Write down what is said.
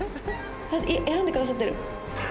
選んでくださってる。